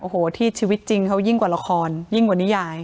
โอ้โหที่ชีวิตจริงเขายิ่งกว่าละครยิ่งกว่านิยาย